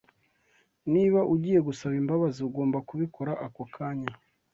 Niba ugiye gusaba imbabazi, ugomba kubikora ako kanya.